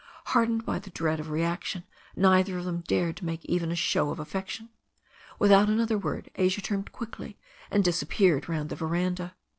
Hard ened by the dread of reaction neither of them dared make even a show of affection. Without another word Asia turned quickly and disappeared round the veranda.